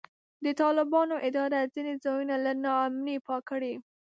د طالبانو اداره ځینې ځایونه له نا امنۍ پاک کړي.